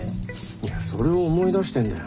いやそれを思い出してんだよ。